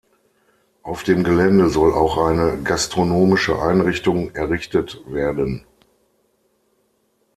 Auf dem Gelände soll auch eine gastronomische Einrichtung errichtet werden.